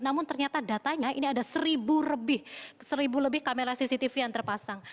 namun ternyata datanya ini ada seribu lebih kamera cctv yang terpasang